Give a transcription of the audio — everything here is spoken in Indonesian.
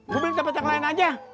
gue beli tempat yang lain aja